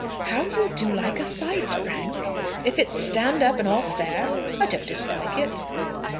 "How you do like a fight, Frank!" "If it's stand up, and all fair, I don't dislike it."